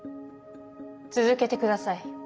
続けてください。